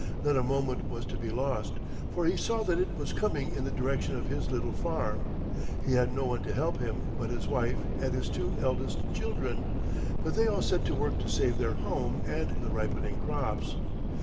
Not a moment was to be lost, for he saw that it was coming in the direction of his little farm. He had no one to help him but his wife and his two eldest children, but they all set to work to save their home and the ripening crops.